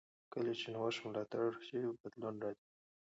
کله چې نوښت ملاتړ شي، بدلون راځي.